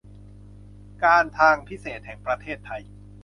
การทางพิเศษแห่งประเทศไทย